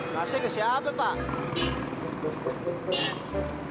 kasih ke siapa pak